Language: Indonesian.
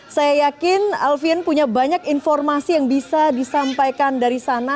saya yakin alfian punya banyak informasi yang bisa disampaikan dari sana